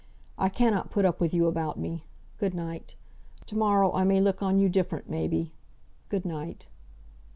I cannot put up with you about me. Good night. To morrow I may look on you different, may be. Good night."